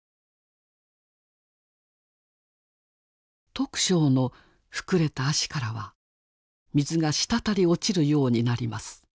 徳正の膨れた足からは水が滴り落ちるようになります。